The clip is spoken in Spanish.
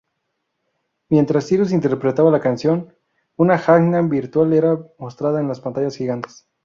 Mientras Cyrus interpretaba la canción, una Hannah virtual era mostrada en las pantallas gigantes.